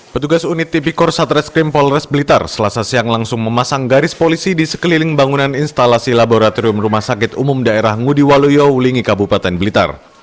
petugas unit tipikor satreskrim polres blitar selasa siang langsung memasang garis polisi di sekeliling bangunan instalasi laboratorium rumah sakit umum daerah ngudi waluyo wulingi kabupaten blitar